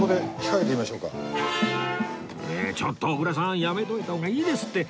えっちょっと小倉さんやめといた方がいいですって